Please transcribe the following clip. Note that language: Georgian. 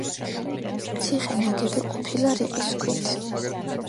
ციხე ნაგები ყოფილა რიყის ქვით.